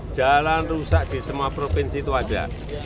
jalan rusak di semua provinsi itu ada